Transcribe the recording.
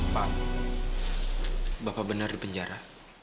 pak bapak benar di penjara